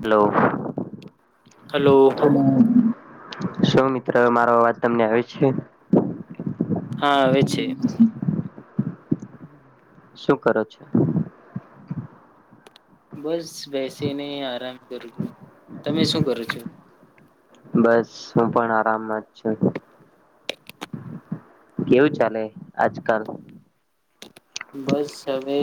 Hello hello [inaudible] શું મિત્ર મારો અવાજ તમને આવે છે? હા આવે છે. શું કરો છો? બસ બેસીને આરામ કરું છું, તમે શું કરો છો? બસ હું પણ આરામમાં જ છું, કેવું ચાલે આજ કલ બસ હવે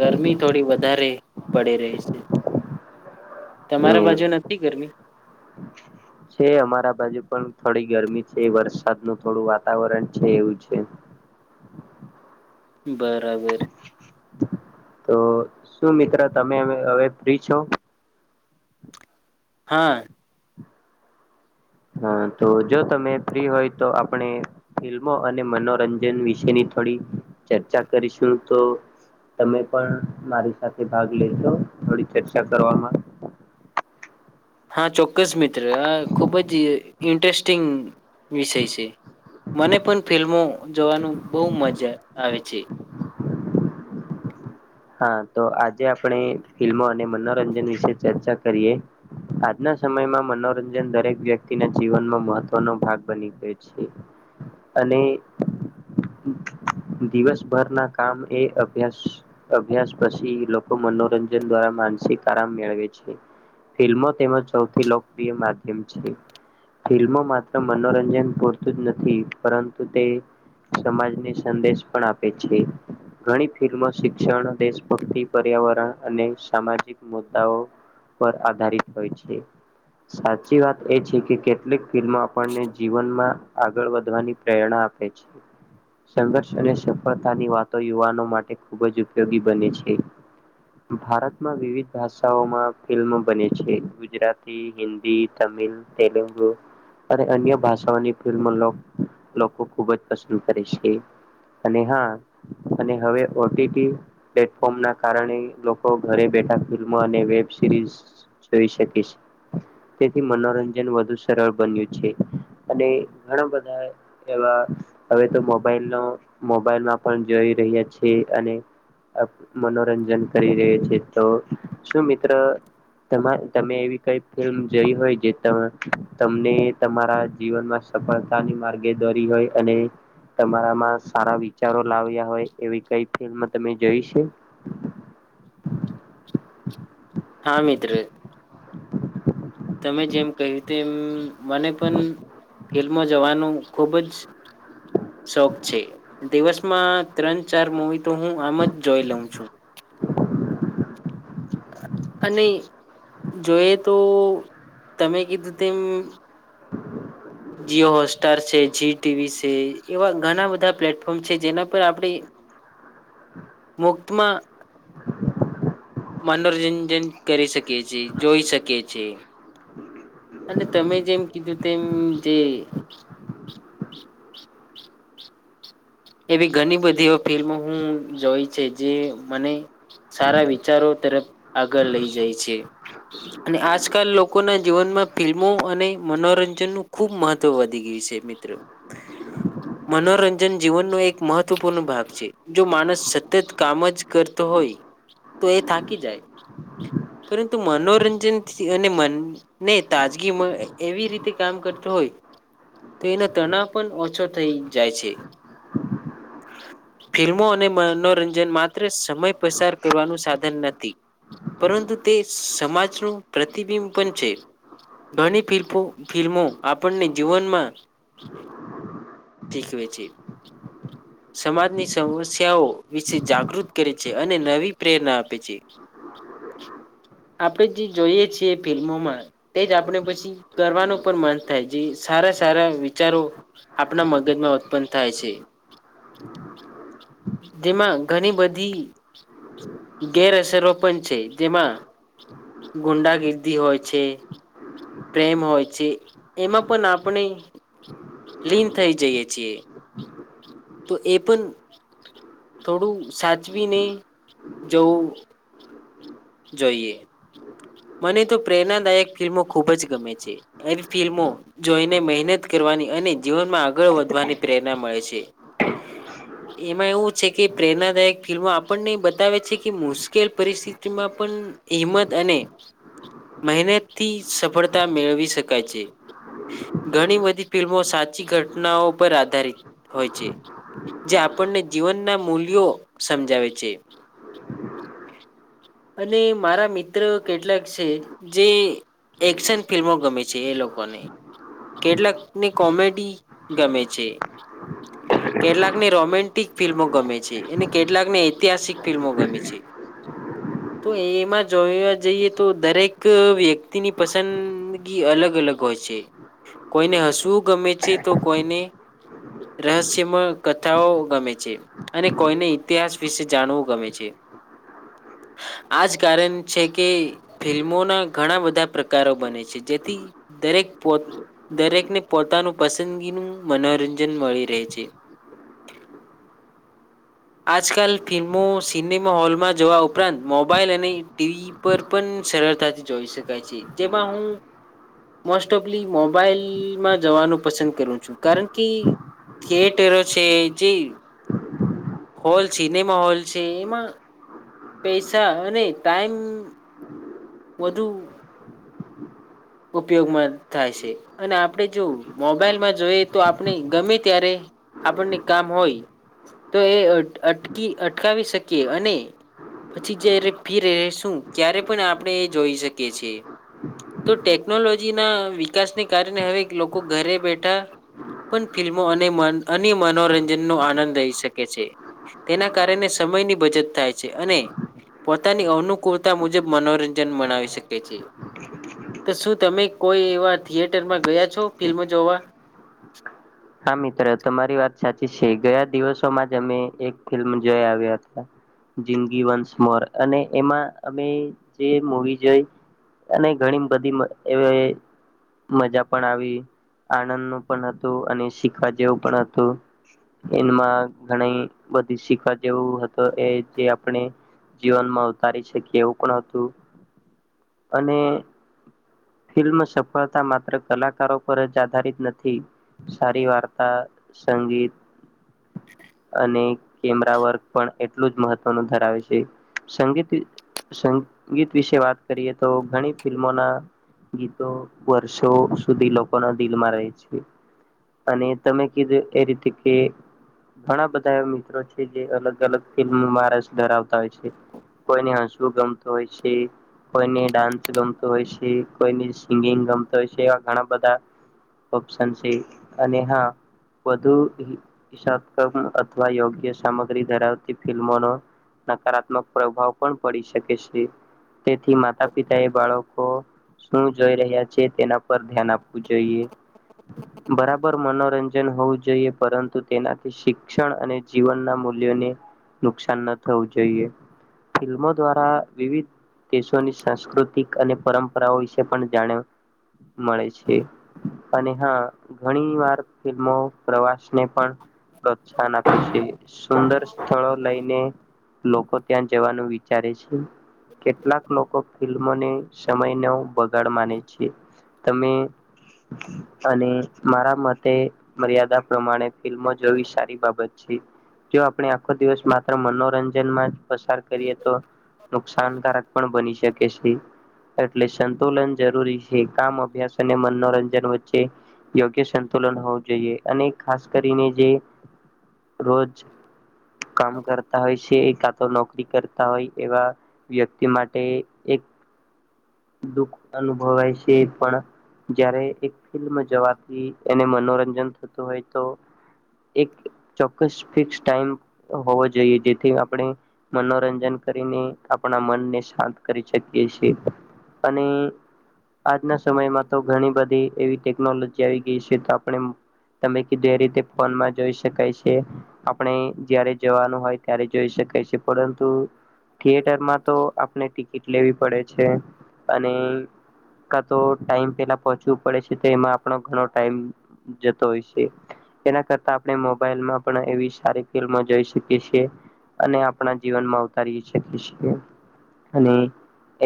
ગરમી થોડી વધારે પડી રહી છે તમારા એવું બાજુ નથી ગરમી, [unintelligible] છે અમારા બાજુ પણ થોડી ગરમી છે વરસાદ ન થોડું વાતાવરણ છે એવું છે, [unintelligible] બરાબર તો શું મિત્ર તમેમે હવે ફ્રી છો? હા હા તો જો તમે ફ્રી હોય તો આપણે ફિલ્મો અને મનોરંજન વિશેની થોડી ચર્ચા કરીશું તો, તમે પણ મારી સાથે ભાગ લેેશો થોડી ચર્ચા કરવામાં? [inaudible] હા ચોક્કસ મિત્ર આ ખુબ જ અ ઇન્ટરેસ્ટિંગ વિષય છે મને પણ ફિલ્મો જોવાનું બહુ મજા આવે છે હા તો આજે આપણે ફિલ્મો અને મનોરંજન વિશે ચર્ચા કરીએ આજના સમયમાં મનોરંજન દરેક વ્યક્તિના જીવનમાં મહત્વનો ભાગ બની ગયો છે અને દિવસભર ના કામ એ અભ્યાસ અભ્યાસ પછી લોકો મનોરંજન દ્વારા માનસિક આરામ મેળવે છે ફિલ્મો તેમજ સૌથી લોકપ્રિય માધ્યમ છે ફિલ્મો માત્ર મનોરંજન પૂરતું જ નથી પરંતુ તે સમાજને સંદેશ પણ આપે છે ઘણી ફિલ્મો શિક્ષણ દેશભક્તિ પર્યાવરણ અને સામાજિક મુદ્દાઓ પર આધારિત હોય છે સાચી વાત એ છે કે કેટલીક ફિલ્મો આપણને જીવનમાં આગળ વધવાની પ્રેરણા આપે છે સંઘર્ષ અને સફળતા ની વાતો યુવાનો માટે ખુબ જ ઉપયોગી બને છે ભારતમાં વિવિધ ભાષાઓમાં ફિલ્મો બને છે ગુજરાતી હિન્દી તમિલ તમિલ તેલુગુ અને અન્ય ભાષાઓની ફિલ્મો લો લોકો ખૂબ જ પસંદ કરે છે અને હા અને હવે ઓટીટી પ્લેટફોર્મ ના કારણે લોકો ઘરે બેઠા ફિલ્મો અને વેબ સિરીઝ જોઈ શકે છે તેથી મનોરંજન વધુ સરળ બન્યું છે અને ઘણા બધા એવા હવે તો મોબાઈલ નો મોબાઈલમાં પણ જોઈ રહ્યા છે અને અપ મનોરંજન કરી રહેછે તો શું મિત્ર તમાર તમે એવી કઈ ફિલ્મ જઈ હોય જે તમને તમારા જીવનમાં સફળતાની માર્ગે દોરી હોય અને તમારામાં સારા વિચારો લાવ્યા હોય એવી કઈ ફિલ્મ તમે જોઈ સે હા મિત્ર [inaudible] તમે જેમ કહ્યું તે એમ મને પણ ફિલ્મો જવાનું ખુબ જ [inaudible] શોખ છે દિવસમાં ત્રણ ચાર મુવી તો હું આમ જ જોઈ લઉં છું અ અને જોઈએ તો તમે કીધું તેમ હમ જીઓ હોટસ્ટાર છે જી ટીવી છે એવા ઘણા બધા પ્લેટફોર્મ છે જેના પર આપણે [inaudible] મુક્તમાં મનોરંજન કરી શકિએ છીએ જોઈ શકિએ છીએ અને તમે જેમ કીધું તેમ જે એવી ઘણી બધી એ ફિલ્મો હું જોઈ છે જે મને સારા વિચારો તરફ આગળ લઈ જાય છે અને આજકાલ લોકોના જીવનમાં ફિલ્મો અને મનોરંજન નું ખુબ મહત્વ વધી ગયું છે મિત્ર હમ મનોરંજન જીવનનો એક મહત્વપૂર્ણ ભાગ છે જો માણસ સતત કામ જ કરતો હોય તો એ થાકી જાય પરંતુ મનોરંજનથી અને મનને તાજગી એવી રીતે કામ કર હો તો એનો તણાવ પણ ઓછો થઈ જાય છે. [inaudible] ફિલ્મો અને મનોરંજન માત્ર સમય પસાર કરવાનું સાધન નથી. પરંતુ તે સમાજનું પ્રતિબિંબ પણ છે. ઘણી ફિલ્મો આપણને જીવનમાં શીકવે છે. [inaudible] સમાજની સમસ્યાઓ વિશે જાગૃત કરે છે અને નવી પ્રેરણા આપે છે. હ. આપણે જે જોઈએ છીએ ફિલ્મોમાં તે જ આપણે પછી કરવાનું પણ મન થાય જે સારા સારા વિચારો આપણા મગજમાં ઉત્પન્ન થાય છે. જેમાં ઘણી બધી ગેરહસરોપણ છે જેમાં ગુંડા ગીર્દી હોય છે. પ્રેમ હોય છે એમાં પણ આપણે લીન થઈ જઈએ છીએ તો એ પણ થોડું સચ ભી નહી જો જોઈએ. મને તો પ્રેરણાદાયક ફિલ્મો ખુબ જ ગમે છે એવી ફિલ્મો જોઈને મહેનત કરવાની અને જીવનમાં આગળ વધવાની પ્રેરણા મળે છે. [inaudible] એમાં એવું છે કે પ્રેરણાદાયક ફિલ્મો આપણને બતાવે છે કે મુશ્કેલ પરિસ્થિતિમાં પણ હિંમત અને મહેનતથી સફળતા મેળવી શકાય છે. ઘણી બધી ફિલ્મો સાચી ઘટનાઓ પર આધારિત હોય છે. જે આપણને જીવનના મૂલ્યો સમજાવે છે. અને મારા મિત્ર કેટલાક છે જે એક્શન ફિલ્મો ગમે છે એ લોકોને કેટલાક ને કોમેડી ગમે છે. હ. કેટલાકને રોમેન્ટિક ફિલ્મો ગમે છે અને કેટલાકને ઐતિહાસિક ફિલ્મો ગમે છે. તું એમાં જોયું જઈએ તો દરેક વ્યક્તિની પસંદગી અલગ અલગ હોય છે. કોઈને હસવું ગમે છે તો કોઈને રહસ્યમય કથાઓ ગમે છે અને કોઈને ઇતિહાસ વિશે જાણવું ગમે છે. હ. આજ કારણ છે કે કે ફિલ્મોના ઘણા બધા પ્રકારો બને છે જેથી દરેક પો દરેક ને પોતાનું પસંદગીનું મનોરંજન મળી રહે છે. [inaudible] આજકાલ ફિલ્મો સિનેમા હોલમાં જોવા ઉપરાંત મોબાઈલ અને ટીવી પર પણ સરળતાથી જોઈ શકાય છે. જેમાં હું મોસ્ટ ઓફલી મોબાઈલમાં જવાનું પસંદ કરું છું. કારણ કે થીએટરો છે જે હોલ સિનેમા હોલ છે. એમાં પૈસા અને ટાઈમ વધુ ઉપયોગમાં થાય છે. અને આપડે જો મોબાઈલમાં જોઈએ તો આપણે ગમે ત્યારે આપડને કામ હોય તો એ અટકી અટકાવી શકીએ અને પછી જ્યારે ફી રેશું ત્યારે પણ આપડે એ જોઈ શકીએ છીએ. તો ટેકનોલોજીના વિકાસને કારણે હવે લોકો ઘરે બેઠા પણ ફિલ્મો અને મન અને મનોરંજનનો આનંદ લઈ શકે છે. તેના કારણે સમયની બચત થાય છે, અને પોતાની અનુકૂળતા મુજબ મનોરંજન મનાવી શકે છે, તો શું તમે કોઈ એવા થિયેટરમાં ગયા છો ફિલ્મ જોવા? હા, મિત્ર તમારી વાત સાચી છે, ગયા દિવસોમાં જ અમે એક ફિલ્મ જોઈ આવ્યા હતા. જિંદગી વંસ મોર અને એમાં અમે જે મવી જોઈ અને ઘણી બધી મ અવ એ મજા પણ આવી આનંદનું પણ હતું, અને શીખવા જેવું પણ હતું, એમાં ઘણી બધી શીખવા જેવું હતુ એ જે આપણે જીવનમાં ઉતારી શકીએ એવું પણ હતું, અને ફિલ્મ સફળતા માત્ર કલાકારો પર જ આધારિત નથી સારી વાર્તા, સંગીત અને કેમેરા વર્ક પણ એટલું જ મહત્વનું ધરાવે છે, સંગીત સંગીત વિશે વાત કરીએ તો ઘણી ફિલ્મોના ગીતો વર્ષો સુધી લોકોના દિલમાં રહે છે, અને અને તમે કીધું એ રીતે કે ઘણા બધા મિત્રો છે કે અલગ-અલગ ફિલ્મમાં રસ ધરાવતા છે, કોઈ ને હસવું ગમતું હોય છે, કોઈને ડાન્સ ગમતો હોય છે, કોઈની સિંગિંગ ગમતો હોય છે. એવા ઘણા બધા ઓપ્શન છે. અને હા વધુ ઈસાબ કર્મ અથવા યોગ્ય સામગ્રી ધરાવતી ફિલ્મોનો નકારાત્મક પ્રભાવ પણ પડી શકે છે, તેથી માતા-પિતા એ બાળકો શું જોઈ રહ્યા છે, તેના પર ધ્યાન આપવું જોઈએ. બરાબર મનોરંજન હોવું જોઈએ. પરંતુ તેનાથી શિક્ષણ અને જીવનના મૂલ્યોને નુકસાન ન થવું જોઈએ. ફિલ્મો દ્વારા વિવિધ દેશોની સાંસ્કૃતિક અને પરંપરાઓ વિશે પણ જાણ મળે છે., અને હા ઘણી વાર ફિલ્મો પ્રવાસને પણ પ્રોત્સાહન આપે છે, સુંદર સ્થળો લઈને લોકો ત્યાં જવાનું વિચારે છે, કેટલાક લોકો ફિલ્મોને સમયનો બગાડ માને છે, તમે અને મારા મતે મર્યાદા પ્રમાણે ફિલ્મો જોવી સારી બાબત છે, જો આપણે આખો દિવસ માત્ર મનોરંજનમાં જ પસાર કરીએ તો નુકસાનકારક પણ બની શકે છે. એટલે સંતુલન જરૂરી છે, કામ અભ્યાસ અને મનોરંજન વચ્ચે યોગ્ય સંતુલન હોવું જોઈએ. અને ખાસ કરીને જે રોજ કામ કરતા હોય છે કા તો નોકરી કરતા હોય, એવા વ્યક્તિ માટે એક દુઃખ અનુભવાય છે, પણ જ્યારે એક ફિલ્મ જોવા એને મનોરંજન થતું હોય તો એક ચોક્કસ ફિક્સ ટાઈમ હોવો જોઈએ, જેથી આપણે મનોરંજન કરીને આપણા મનને શાંત કરી શકીએ છીએ અને આજના સમયમાં તો ઘણી બધી એવી ટેકનોલોજી આવી ગઈ છે, તો આપણે તમે કીધુ એ રીતે ફોનમાં જોઈ શકાય છે, આપણે જયારે જવાનું હોય ત્યારે જોઈ શકાય પરંતુ થિયેટરમાં તો આપણે ટિકિટ લેવી પડે છે, અને કાતો ટાઈમ પેલા પહોંચવું પડે છે, તેમાં ગણો ગણો ટાઈમ જતો હોય એના કરતા મોબાઈલમાં પણ એવી સારી ફિલ્મો શકીએ અને આપણા જીવનમાં ઉતારી શકી છીએ, અને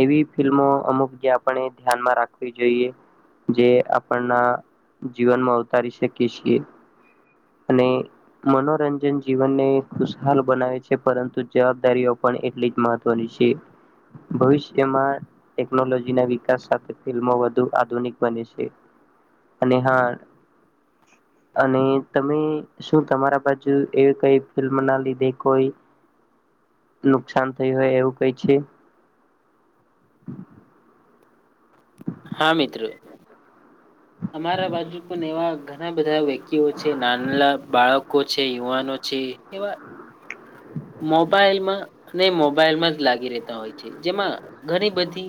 એવી ફિલ્મો અમુક જે આપણે ધ્યાનમાં રાખવી જોઈએ. જે આપણના જીવનમાં ઉતારી શકી છીએ. અને મનોરંજન જીવનને ખુશહાલ બનાવે છે પરંતુ જવાબદારીઓ. પણ એટલી જ મહત્વની છે. ભવિષ્યમાં ટેકનોલોજીના વિકાસ સાથે ફિલ્મો વધુ આધુનિક બને છે. અને હા. અને તમે શું તમારા બાજુ એવી કઈ ફિલ્મ ના લીધે કોઈ. નુકસાન થયું હોય એવું કઈ છે. હા મિત્ર. અમારા બાજુ પણ એવા ઘણા બધા વ્યક્તિઓ છે નાના નાના બાળકો છે યુવાનો. છે કેવા. મોબાઈલમાં અને મોબાઈલમાં જ લાગી રહેતા હોય છે જેમાં ઘણી બધી.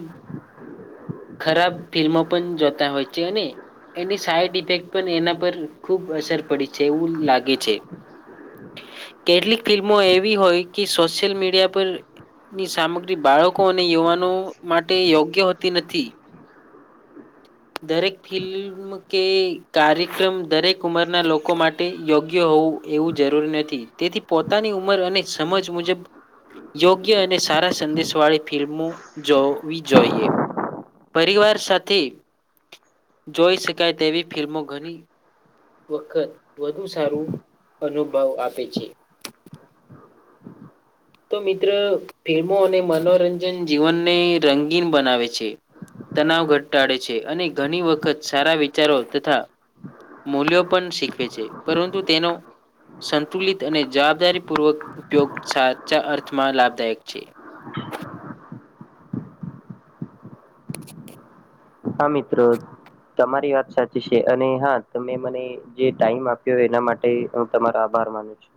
ખરાબ ફિલ્મો પણ જોતા હોય છે અને. એની સાઈડ ઇફેક્ટ પણ એના પર ખૂબ અસર પડી છે એવું લાગે છે. કેટલીક ફિલ્મો એવી હોય કે સોશિયલ મીડિયા પર. ની સામગ્રી બાળકો અને યુવાનો માટે યોગ્ય હોતી નથી. [inaudible] દરેક ફિલ્મ કે કાર્યક્રમ દરેક ઉંમરના લોકો માટે યોગ્ય હોવું. એવું જરૂરી નથી તેથી પોતાની ઉંમર અને સમજ મુજબ. યોગ્ય અને સારા સંદેશવાળી ફિલ્મો જોવી જોઈએ. પરિવાર સાથે જોઈ શકાય તેવી ફિલ્મો ઘણી. વખત વધુ સારું અનુભવ આપે છે. તો મિત્ર ફિલ્મો અને મનોરંજન જીવનને રંગીન બનાવે છે. તનાવ ઘટાડે છે અને ઘણી વખત સારા વિચારો તથા. મૂલ્યો પણ શીખવે છે પરંતુ તેનો. સંતુલિત અને જવાબદારી પૂર્વક ઉપયોગ સા. ચા અર્થમાં લાભદાયક છે. હા મિત્ર. તમારી વાત સાચી છે અને હા તમે મને જે ટાઈમ આપ્યો એના માટે હુ તમારો આભાર. માનુ છુ.